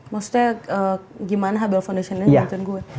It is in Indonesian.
maksudnya gimana hbl foundation ini bantuin gue